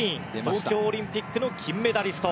東京オリンピックの金メダリスト。